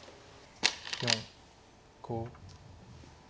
４５。